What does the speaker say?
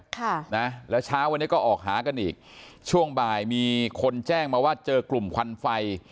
ค่ะนะแล้วเช้าวันนี้ก็ออกหากันอีกช่วงบ่ายมีคนแจ้งมาว่าเจอกลุ่มควันไฟ